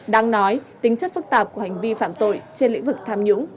đang nói tính chất phức tạp của hành vi phạm tội trên lĩnh vực tham nhũng